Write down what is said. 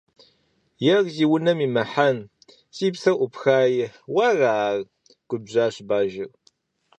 – Ер зи унэм имыхьэн, си псэр Ӏупхаи, уэра ар? – губжьащ Бажэр.